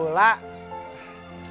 mbak laras mau ke rumah